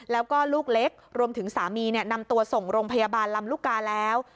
แล้วก็ลูกเล็กรวมถึงสามีนำตัวส่งโรงพยาบาลลำลูกกาแล้ว